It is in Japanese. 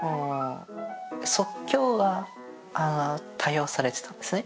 即興が多用されてたんですね